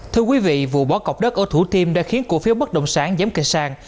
thưa quý vị vụ bó cọc đất ở thủ thiêm đã khiến cổ phiếu bất động sản giám kỳ sang